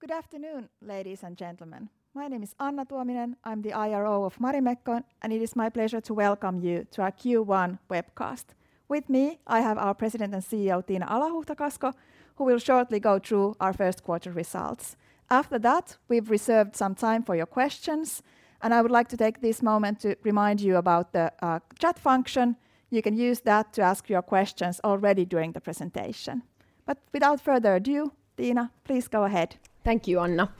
Good afternoon, ladies and gentlemen. My name is Anna Tuominen. I'm the IRO of Marimekko, and it is my pleasure to welcome you to our Q1 webcast. With me, I have our President and CEO, Tiina Alahuhta-Kasko, who will shortly go through our first quarter results. After that, we've reserved some time for your questions, and I would like to take this moment to remind you about the chat function. You can use that to ask your questions already during the presentation. Without further ado, Tiina, please go ahead. Thank you, Anna,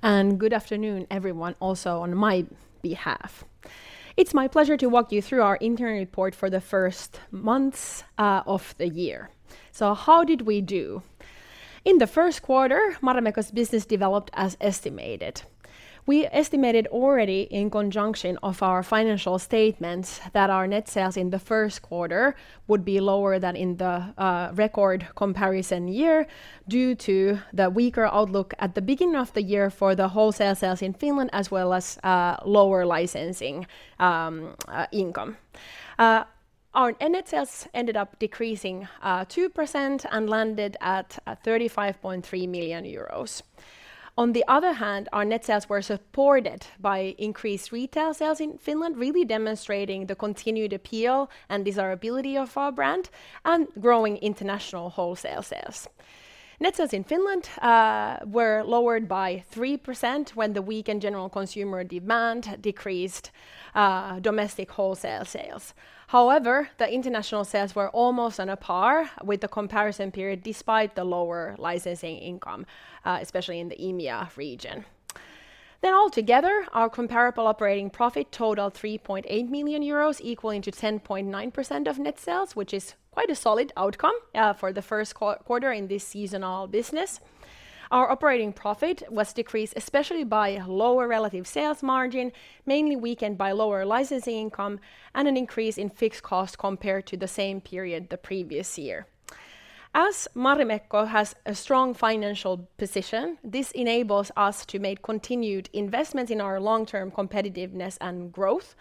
and good afternoon, everyone, also on my behalf. It's my pleasure to walk you through our interim report for the first months of the year. How did we do? In the first quarter, Marimekko's business developed as estimated. We estimated already in conjunction of our financial statements that our net sales in the first quarter would be lower than in the record comparison year due to the weaker outlook at the beginning of the year for the wholesale sales in Finland, as well as lower licensing income. Our net sales ended up decreasing 2% and landed at 35.3 million euros. On the other hand, our net sales were supported by increased retail sales in Finland, really demonstrating the continued appeal and desirability of our brand and growing international wholesale sales. Net sales in Finland were lowered by 3% when the weak and general consumer demand decreased domestic wholesale sales. However, the international sales were almost on a par with the comparison period, despite the lower licensing income, especially in the EMEA region. Altogether, our comparable operating profit totaled 3.8 million euros, equaling to 10.9% of net sales, which is quite a solid outcome for the first quarter in this seasonal business. Our operating profit was decreased especially by lower relative sales margin, mainly weakened by lower licensing income and an increase in fixed cost compared to the same period the previous year. As Marimekko has a strong financial position, this enables us to make continued investments in our long-term competitiveness and growth,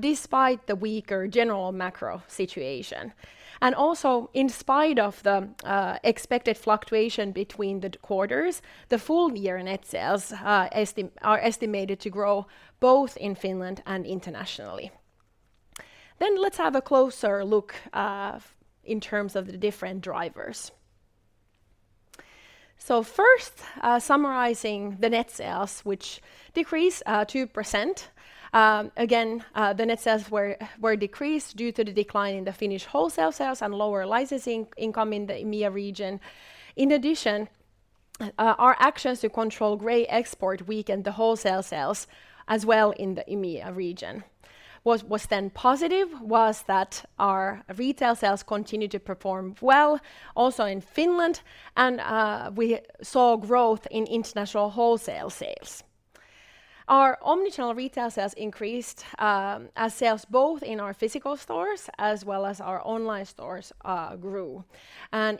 despite the weaker general macro situation. In spite of the expected fluctuation between the quarters, the full year net sales are estimated to grow both in Finland and internationally. Let's have a closer look in terms of the different drivers. First, summarizing the net sales, which decreased 2%. Again, the net sales were decreased due to the decline in the Finnish wholesale sales and lower licensing income in the EMEA region. Our actions to control gray export weakened the wholesale sales as well in the EMEA region. What was positive was that our retail sales continued to perform well also in Finland and we saw growth in international wholesale sales. Our omnichannel retail sales increased as sales both in our physical stores as well as our online stores grew.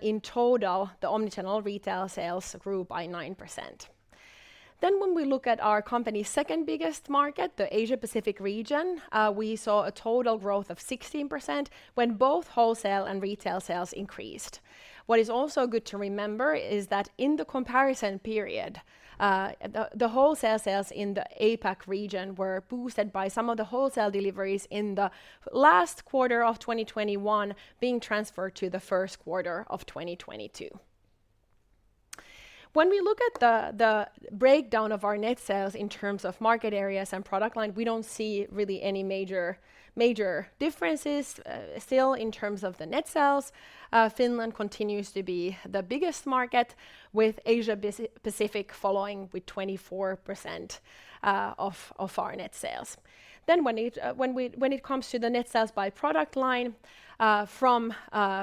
In total, the omnichannel retail sales grew by 9%. When we look at our company's second biggest market, the Asia-Pacific region, we saw a total growth of 16% when both wholesale and retail sales increased. What is also good to remember is that in the comparison period, the wholesale sales in the APAC region were boosted by some of the wholesale deliveries in the last quarter of 2021 being transferred to the first quarter of 2022. When we look at the breakdown of our net sales in terms of market areas and product line, we don't see really any major differences. Still, in terms of the net sales, Finland continues to be the biggest market with Asia-Pacific following with 24% of our net sales. When it comes to the net sales by product line, from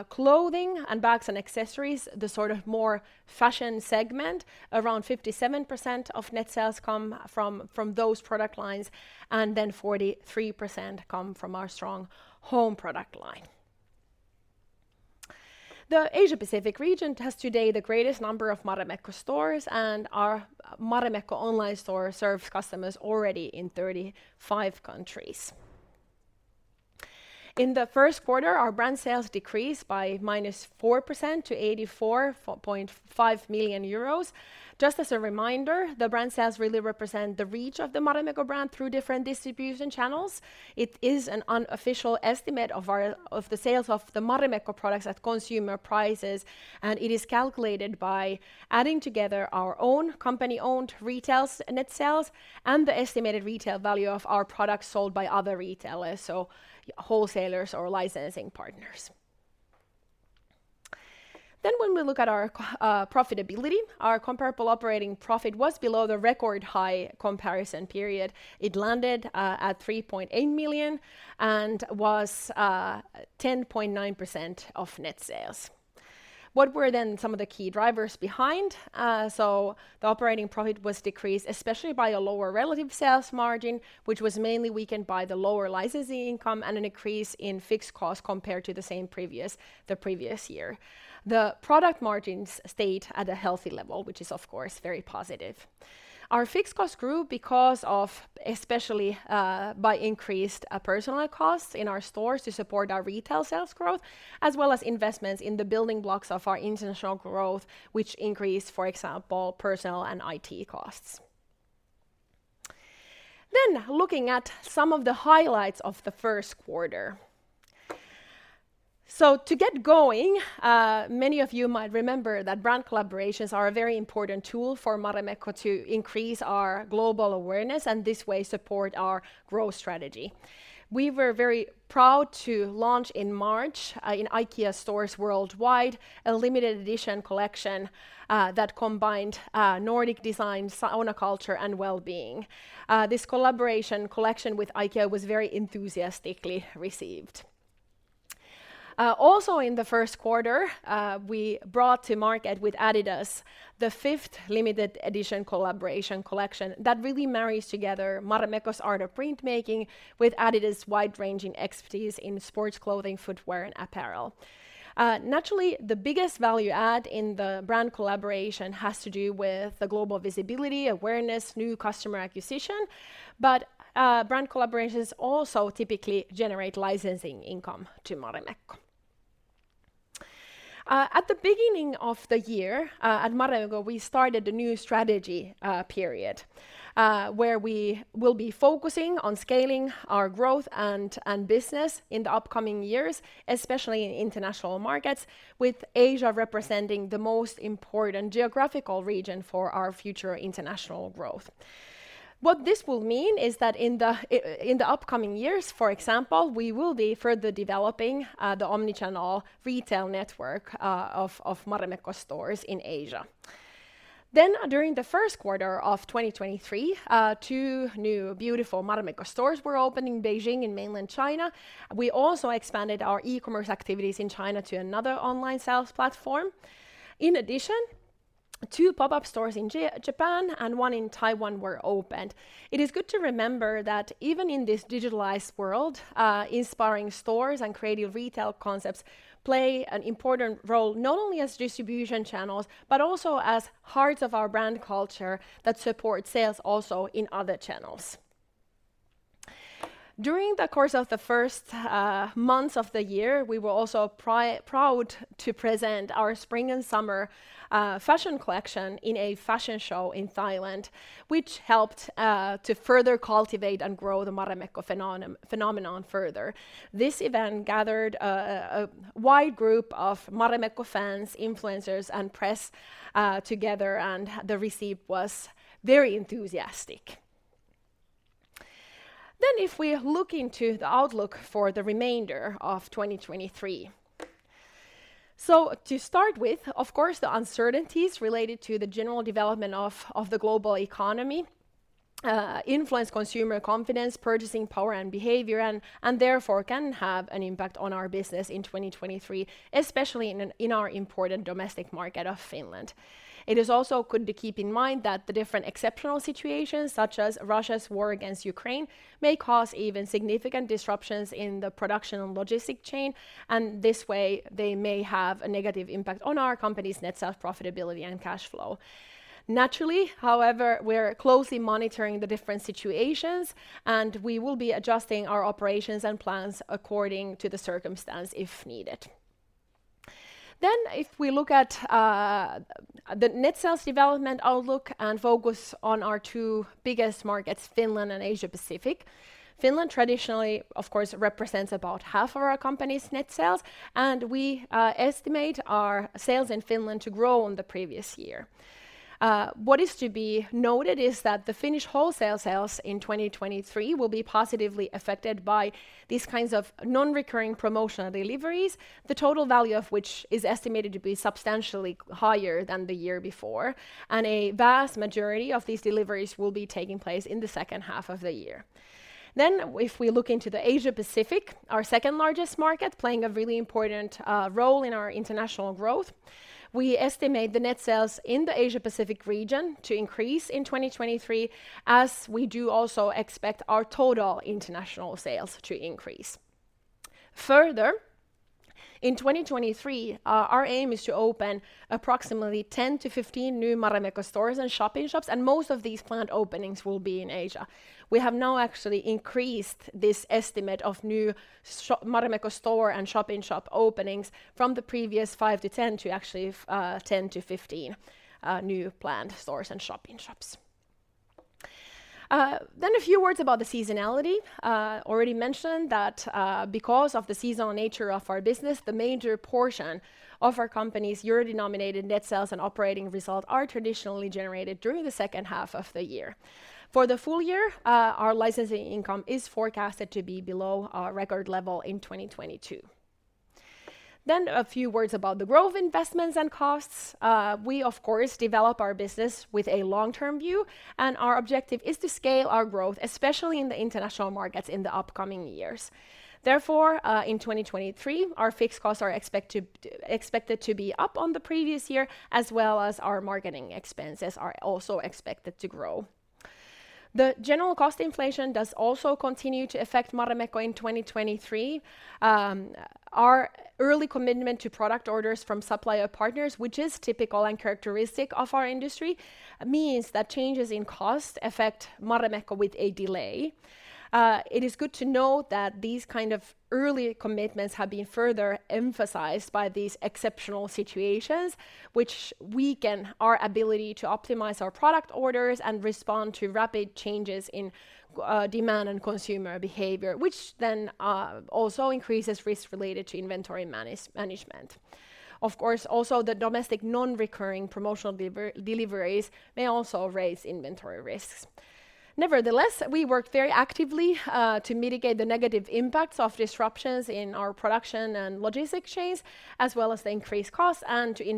clothing and bags and accessories, the sort of more fashion segment, around 57% of net sales come from those product lines. 43% come from our strong home product line. The Asia-Pacific region has today the greatest number of Marimekko stores. Our Marimekko online store serves customers already in 35 countries. In the first quarter, our brand sales decreased by -4% to 84.5 million euros. Just as a reminder, the brand sales really represent the reach of the Marimekko brand through different distribution channels. It is an unofficial estimate of the sales of the Marimekko products at consumer prices, and it is calculated by adding together our own company-owned retail net sales and the estimated retail value of our products sold by other retailers, so wholesalers or licensing partners. When we look at our profitability, our comparable operating profit was below the record high comparison period. It landed at 3.8 million and was 10.9% of net sales. What were then some of the key drivers behind? The operating profit was decreased especially by a lower relative sales margin, which was mainly weakened by the lower licensing income and an increase in fixed cost compared to the previous year. The product margins stayed at a healthy level, which is of course, very positive. Our fixed cost grew because of especially by increased personnel costs in our stores to support our retail sales growth, as well as investments in the building blocks of our international growth, which increased, for example, personnel and IT costs. Looking at some of the highlights of the first quarter. To get going, many of you might remember that brand collaborations are a very important tool for Marimekko to increase our global awareness and this way support our growth strategy. We were very proud to launch in March in IKEA stores worldwide, a limited edition collection that combined Nordic design, sauna culture and well-being. This collaboration collection with IKEA was very enthusiastically received. Also in the first quarter, we brought to market with adidas the fifth limited edition collaboration collection that really marries together Marimekko's art of printmaking with adidas wide-ranging expertise in sports clothing, footwear, and apparel. Naturally, the biggest value add in the brand collaboration has to do with the global visibility, awareness, new customer acquisition, but brand collaborations also typically generate licensing income to Marimekko. At the beginning of the year, at Marimekko, we started a new strategy period, where we will be focusing on scaling our growth and business in the upcoming years, especially in international markets, with Asia representing the most important geographical region for our future international growth. What this will mean is that in the in the upcoming years, for example, we will be further developing the omnichannel retail network of Marimekko stores in Asia. During the first quarter of 2023, two new beautiful Marimekko stores were opened in Beijing in mainland China. We also expanded our e-commerce activities in China to another online sales platform. In addition, two pop-up stores in Japan and one in Taiwan were opened. It is good to remember that even in this digitalized world, inspiring stores and creative retail concepts play an important role, not only as distribution channels, but also as hearts of our brand culture that support sales also in other channels. During the course of the first months of the year, we were also proud to present our spring and summer fashion collection in a fashion show in Thailand, which helped to further cultivate and grow the Marimekko phenomenon further. This event gathered a wide group of Marimekko fans, influencers, and press together, and the receive was very enthusiastic. If we look into the outlook for the remainder of 2023. To start with, of course, the uncertainties related to the general development of the global economy influence consumer confidence, purchasing power, and behavior, and therefore can have an impact on our business in 2023 especially in our important domestic market of Finland. It is also good to keep in mind that the different exceptional situations, such as Russia's war against Ukraine, may cause even significant disruptions in the production and logistic chain, and this way they may have a negative impact on our company's net sales profitability and cash flow. Naturally, however, we're closely monitoring the different situations, and we will be adjusting our operations and plans according to the circumstance if needed. If we look at, the net sales development outlook and focus on our two biggest markets, Finland and Asia-Pacific. Finland traditionally, of course, represents about half of our company's net sales, and we estimate our sales in Finland to grow on the previous year. What is to be noted is that the Finnish wholesale sales in 2023 will be positively affected by these kinds of non-recurring promotional deliveries, the total value of which is estimated to be substantially higher than the year before, and a vast majority of these deliveries will be taking place in the second half of the year. If we look into the Asia-Pacific, our second-largest market, playing a really important role in our international growth, we estimate the net sales in the Asia-Pacific region to increase in 2023, as we do also expect our total international sales to increase. Further, in 2023, our aim is to open approximately 10-15 new Marimekko stores and shop-in-shops, and most of these planned openings will be in Asia. We have now actually increased this estimate of new Marimekko store and shop-in-shop openings from the previous five to 10 to actually, 10-15 new planned stores and shop-in-shops. A few words about the seasonality. Already mentioned that, because of the seasonal nature of our business, the major portion of our company's euro-denominated net sales and operating results are traditionally generated during the second half of the year. For the full year, our licensing income is forecasted to be below our record level in 2022. A few words about the growth investments and costs. We of course, develop our business with a long-term view, and our objective is to scale our growth, especially in the international markets in the upcoming years. Therefore, in 2023, our fixed costs are expected to be up on the previous year, as well as our marketing expenses are also expected to grow. The general cost inflation does also continue to affect Marimekko in 2023. Our early commitment to product orders from supplier partners, which is typical and characteristic of our industry, means that changes in cost affect Marimekko with a delay. It is good to know that these kind of early commitments have been further emphasized by these exceptional situations, which weaken our ability to optimize our product orders and respond to rapid changes in demand and consumer behavior, which then also increases risks related to inventory management. Of course, also the domestic non-recurring promotional deliveries may also raise inventory risks. We work very actively to mitigate the negative impacts of disruptions in our production and logistics chains, as well as the increased costs and to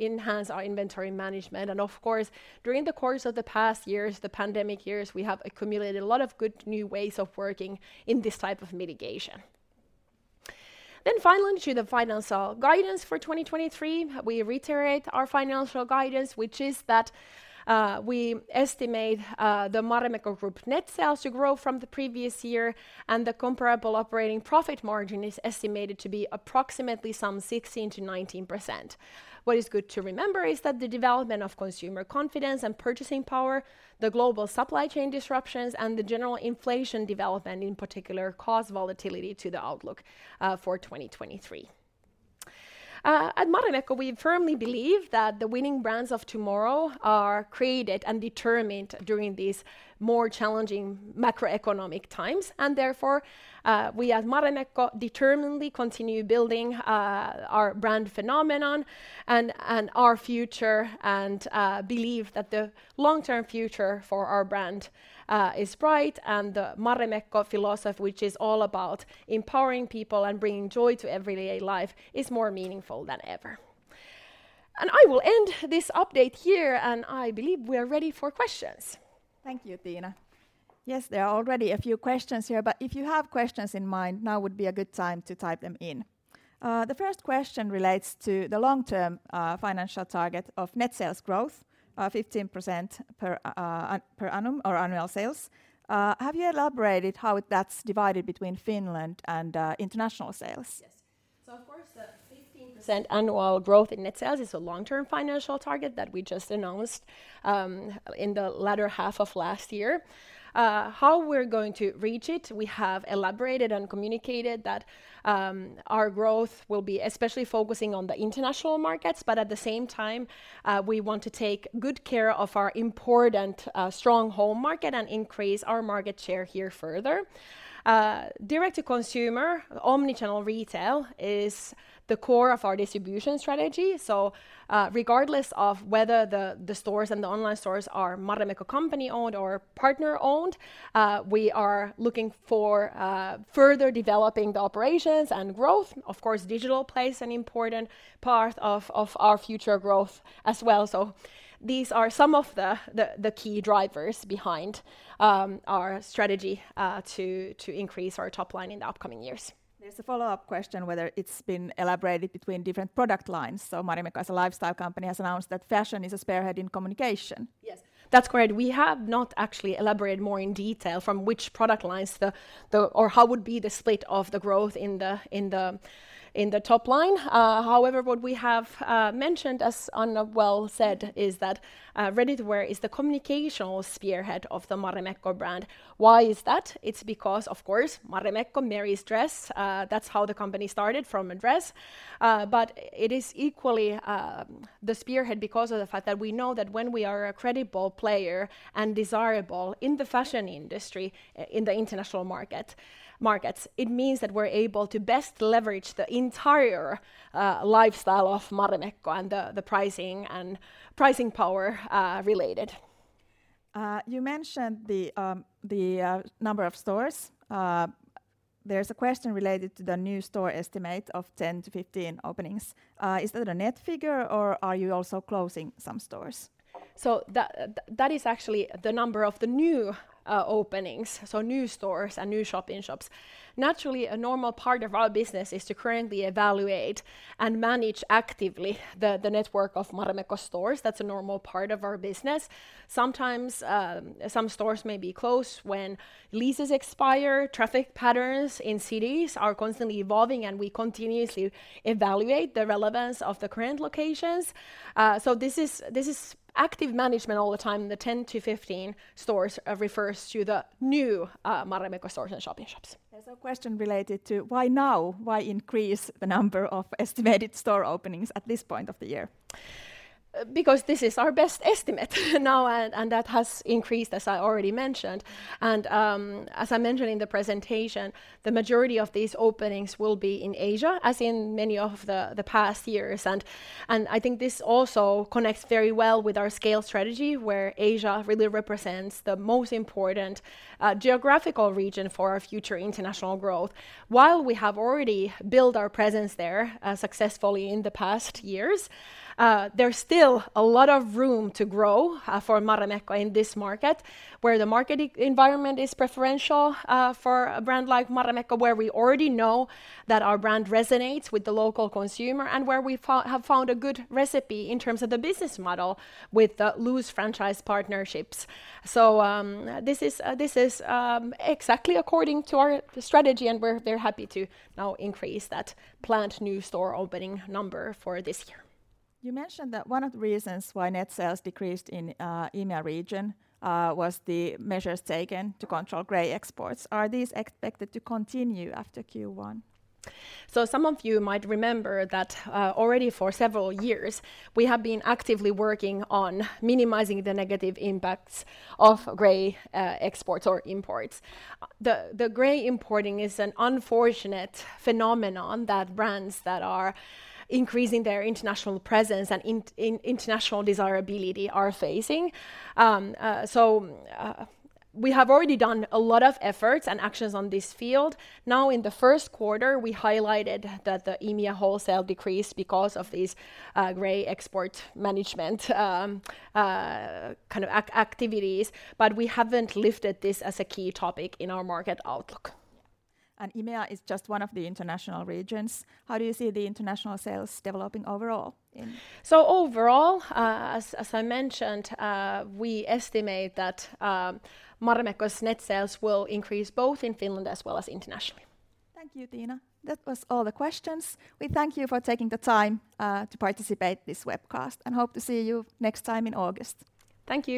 enhance our inventory management. Of course, during the course of the past years, the pandemic years, we have accumulated a lot of good new ways of working in this type of mitigation. Finally, to the financial guidance for 2023. We reiterate our financial guidance, which is that we estimate the Marimekko Group net sales to grow from the previous year, and the comparable operating profit margin is estimated to be approximately some 16%-19%. What is good to remember is that the development of consumer confidence and purchasing power, the global supply chain disruptions, and the general inflation development, in particular, cause volatility to the outlook for 2023. At Marimekko, we firmly believe that the winning brands of tomorrow are created and determined during these more challenging macroeconomic times, and therefore, we, as Marimekko, determinedly continue building our brand phenomenon and our future and believe that the long-term future for our brand is bright and the Marimekko philosophy, which is all about empowering people and bringing joy to everyday life, is more meaningful than ever. I will end this update here. I believe we are ready for questions. Thank you, Tiina. Yes, there are already a few questions here, but if you have questions in mind, now would be a good time to type them in. The first question relates to the long-term financial target of net sales growth, 15% per annum or annual sales. Have you elaborated how that's divided between Finland and international sales? Yes. Of course, the 15% annual growth in net sales is a long-term financial target that we just announced in the latter half of last year. How we're going to reach it, we have elaborated and communicated that our growth will be especially focusing on the international markets, but at the same time, we want to take good care of our important strong home market and increase our market share here further. Direct-to-consumer omnichannel retail is the core of our distribution strategy. Regardless of whether the stores and the online stores are Marimekko company-owned or partner-owned, we are looking for further developing the operations and growth. Digital plays an important part of our future growth as well. These are some of the key drivers behind our strategy to increase our top line in the upcoming years. There's a follow-up question whether it's been elaborated between different product lines. Marimekko as a lifestyle company has announced that fashion is a spearhead in communication. Yes. That's correct. We have not actually elaborated more in detail from which product lines the... or how would be the split of the growth in the top line. However, what we have mentioned, as Anna well said, is that ready-to-wear is the communicational spearhead of the Marimekko brand. Why is that? It's because, of course, Marimekko Mari's dress, that's how the company started from a dress. But it is equally the spearhead because of the fact that we know that when we are a credible player and desirable in the fashion industry, in the international markets, it means that we're able to best leverage the entire lifestyle of Marimekko and the pricing and pricing power related. You mentioned the number of stores. There's a question related to the new store estimate of 10-15 openings. Is that a net figure, or are you also closing some stores? That is actually the number of the new openings, so new stores and new shop-in-shops. Naturally, a normal part of our business is to currently evaluate and manage actively the network of Marimekko stores. That's a normal part of our business. Sometimes, some stores may be closed when leases expire. Traffic patterns in cities are constantly evolving, and we continuously evaluate the relevance of the current locations. This is active management all the time. The 10-15 stores refers to the new Marimekko stores and shop-in-shops. There's a question related to why now? Why increase the number of estimated store openings at this point of the year? This is our best estimate now, and that has increased, as I already mentioned. As I mentioned in the presentation, the majority of these openings will be in Asia, as in many of the past years. I think this also connects very well with our scale strategy, where Asia really represents the most important geographical region for our future international growth. While we have already built our presence there successfully in the past years, there's still a lot of room to grow for Marimekko in this market, where the market environment is preferential for a brand like Marimekko, where we already know that our brand resonates with the local consumer and where we have found a good recipe in terms of the business model with the loose franchise partnerships. This is exactly according to the strategy, and we're very happy to now increase that planned new store opening number for this year. You mentioned that one of the reasons why net sales decreased in EMEA region was the measures taken to control gray exports. Are these expected to continue after Q1? Some of you might remember that, already for several years, we have been actively working on minimizing the negative impacts of gray exports or imports. The gray importing is an unfortunate phenomenon that brands that are increasing their international presence and international desirability are facing. We have already done a lot of efforts and actions on this field. Now, in the first quarter, we highlighted that the EMEA wholesale decreased because of these gray export management kind of activities, but we haven't lifted this as a key topic in our market outlook. EMEA is just one of the international regions. How do you see the international sales developing overall? Overall, as I mentioned, we estimate that Marimekko's net sales will increase both in Finland as well as internationally. Thank you, Tiina. That was all the questions. We thank you for taking the time to participate this webcast. Hope to see you next time in August. Thank you.